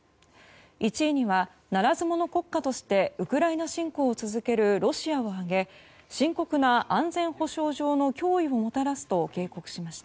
１位には、ならず者国家としてウクライナ侵攻を続けるロシアを挙げ深刻な安全保障上の脅威をもたらすと警告しました。